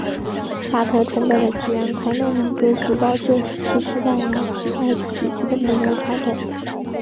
巴特崇拜的起源可能能追溯到旧石器时代晚期埃及地区的牧牛传统。